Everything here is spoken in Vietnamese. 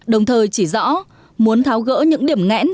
đồng thời chỉ rõ muốn tháo gỡ những điểm ngẽn